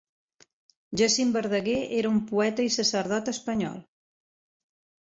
Jacint Verdaguer era un poeta i sacerdot espanyol.